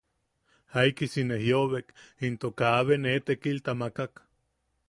Jaikisi ne jiʼobek into kaabe ne tekilta makak.